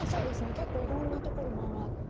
結構いろんな所回って。